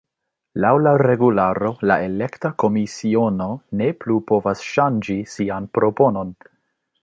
Laŭ la regularo, la elekta komisiono ne plu povas ŝanĝi sian proponon.